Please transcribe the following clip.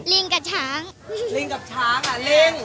ลิงกับช้าง